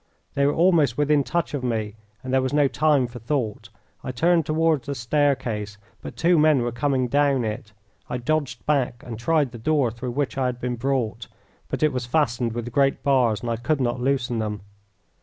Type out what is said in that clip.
They were almost within touch of me and there was no time for thought. I turned toward the staircase, but two men were coming down it. I dodged back and tried the door through which I had been brought, but it was fastened with great bars and I could not loosen them.